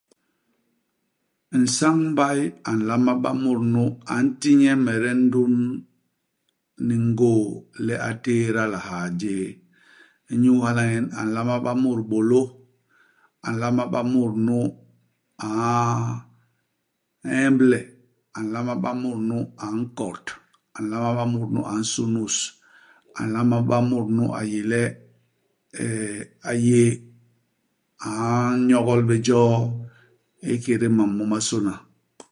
Nsañ-mbay a nlama ba mut nu a nti nyemede ndun ni ngôô le a tééda lihaa jéé. Inyu hala nyen a nlama ba mut bôlô. A nlama ba mut nu a ñemble ; a nlama ba mut nu a nkot, a nlama ba mut nu a nsunus. A nlama ba mut nu a yé le eeh a yé a nyogol bé joo ikédé mam momasôna.